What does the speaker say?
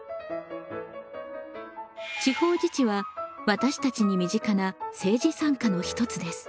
地方自治は私たちに身近な政治参加の一つです。